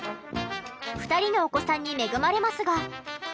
２人のお子さんに恵まれますが。